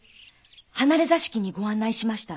離れ座敷にご案内しました。